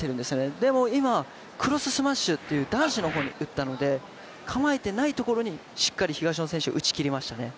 今、クロススマッシュ、男子の方に打ってきたので、構えていないところにしっかり東野選手、打ち切りましたね。